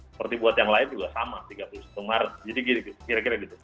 seperti buat yang lain juga sama tiga puluh satu maret jadi gini